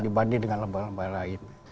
dibanding dengan lembaga lembaga lain